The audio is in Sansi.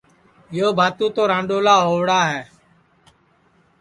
یو باتو تو رانڈؔولا ہوڑا ہے